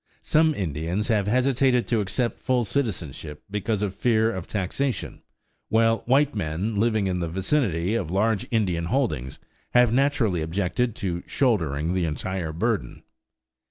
Some Indians have hesitated to accept full citizenship because of fear of taxation; while white men living in the vicinity of large Indian holdings have naturally objected to shouldering the entire burden.